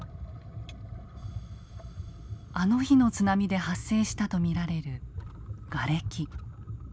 あの日の津波で発生したと見られるガレキ。